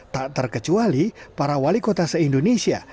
tak terkecuali para wali kota se indonesia